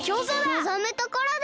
のぞむところだ！